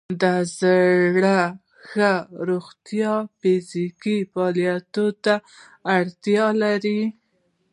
د زړه ښه روغتیا فزیکي فعالیت ته اړتیا لري.